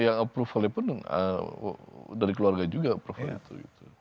yang approvalnya pun dari keluarga juga approval itu